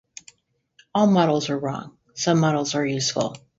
All models are wrong; some models are useful.